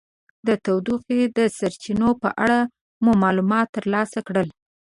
د تودوخې د سرچینو په اړه مو معلومات ترلاسه کړل.